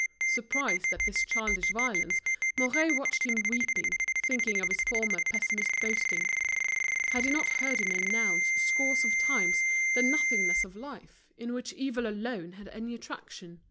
Surprised at this childish violence, Mouret watched him weeping, thinking of his former pessimist boasting. Had he not heard him announce scores of times the nothingness of life, in which evil alone had any attraction?